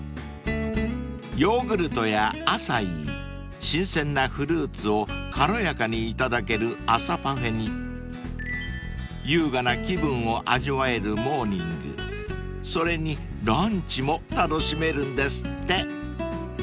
［ヨーグルトやアサイー新鮮なフルーツを軽やかに頂ける朝パフェに優雅な気分を味わえるモーニングそれにランチも楽しめるんですって］